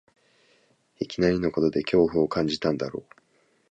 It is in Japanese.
いきなりのことで恐怖を感じたんだろう